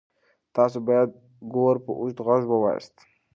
تاسو باید ګور په اوږد غږ ووایاست.